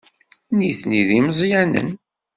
Nitni d imeẓyanen.